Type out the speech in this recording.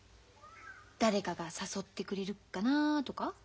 誰かが誘ってくれるかなとか？